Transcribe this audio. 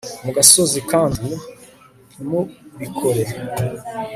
mu gasozi kandi ntimubikore